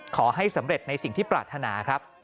ขอให้สำเร็จในสิ่งที่ปรารถนาครับ